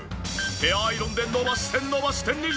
ヘアアイロンで伸ばして伸ばして２時間。